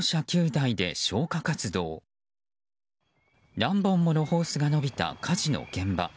何本ものホースが伸びた火事の現場。